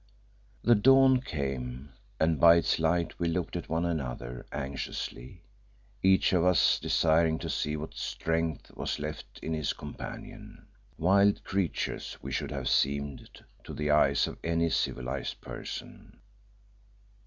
The dawn came, and by its light we looked at one another anxiously, each of us desiring to see what strength was left to his companion. Wild creatures we should have seemed to the eyes of any civilized person.